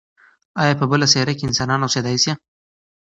ایا په بله سیاره کې انسانان اوسېدای شي؟